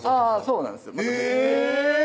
そうなんですよえぇ！